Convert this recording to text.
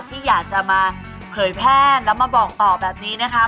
ที่อยากจะมาเผยแพร่แล้วมาบอกต่อแบบนี้นะคะ